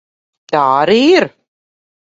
Tā arī ir.